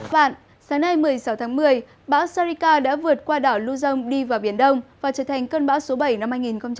vạn sáng nay một mươi sáu tháng một mươi bão sarika đã vượt qua đảo luzon đi vào biển đông và trở thành cơn bão số bảy năm hai nghìn hai mươi